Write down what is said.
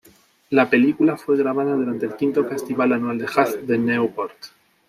La película fue grabada durante el quinto festival anual de jazz de Newport.